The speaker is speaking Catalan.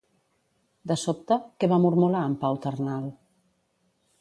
De sobte, què va mormolar en Pau Ternal?